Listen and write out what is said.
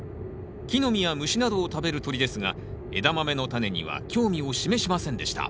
木の実や虫などを食べる鳥ですがエダマメのタネには興味を示しませんでした。